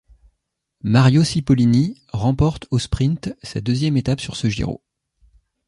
Mario Cipollini remporte au sprint sa deuxième étape sur ce Giro.